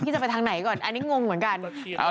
จะไปทางไหนก่อนอันนี้งงเหมือนกัน